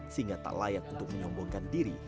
sehingga tak layak untuk menyombongkan diri